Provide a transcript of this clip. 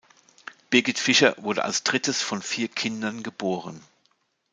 Birgit Fischer wurde als drittes von vier Kindern geboren.